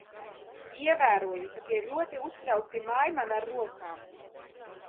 Ievēroju, ka tie ļoti uztraukti māj man ar rokām.